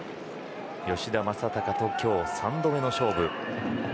吉田正尚と今日、３度目の勝負。